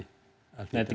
dengan senang hati